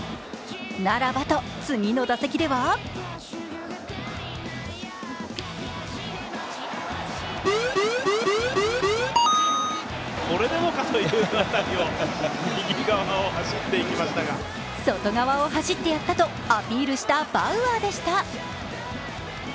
ならばと次の打席では外側を走ってやったとアピールしたバウアーでした。